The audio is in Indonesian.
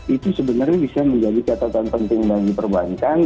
itu sebenarnya bisa menjadi catatan penting bagi perbankan